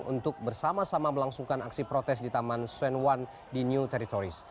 untuk bersama sama melangsungkan aksi protes di taman xuan wan di new territories